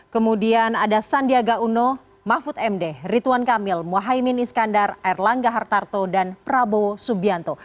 kemudian ada sandiaga uno mahfud md ritwan kamil muhaymin iskandar erlangga hartarto dan prabowo subianto